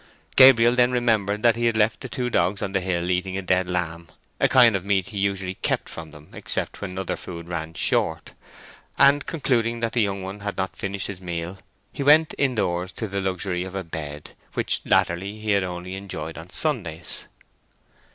Gabriel then remembered that he had left the two dogs on the hill eating a dead lamb (a kind of meat he usually kept from them, except when other food ran short), and concluding that the young one had not finished his meal, he went indoors to the luxury of a bed, which latterly he had only enjoyed on Sundays.